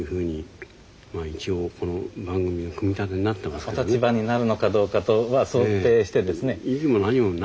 だからまあお立場になるのかどうかとは想定してですね。